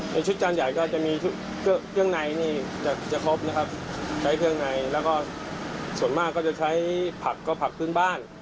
ชุดจานใหญ่ก็จะมีชุดเครื่องเครื่องในนี่จะจะครบนะครับใช้เครื่องในแล้วก็ส่วนมากก็จะใช้ผักก็ผักพื้นบ้าน